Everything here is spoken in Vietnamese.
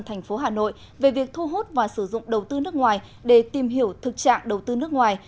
thành phố hà nội về việc thu hút và sử dụng đầu tư nước ngoài để tìm hiểu thực trạng đầu tư nước ngoài